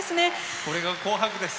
これが「紅白」です。